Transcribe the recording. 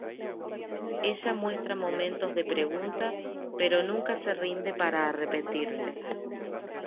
Ella muestra momentos de preguntas pero nunca se rinde para arrepentirse.